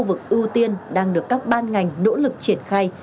vực ưu tiên đang được các ban ngành nỗ lực triển khai